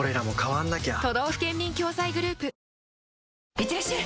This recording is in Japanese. いってらっしゃい！